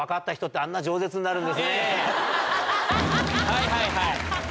はいはいはい。